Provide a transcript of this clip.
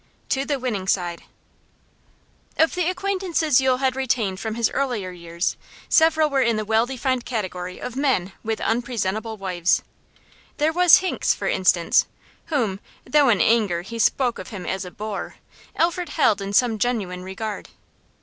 TO THE WINNING SIDE Of the acquaintances Yule had retained from his earlier years several were in the well defined category of men with unpresentable wives. There was Hinks, for instance, whom, though in anger he spoke of him as a bore, Alfred held in some genuine regard.